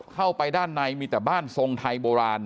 เข้าไปด้านในมีแต่บ้านทรงไทยโบราณ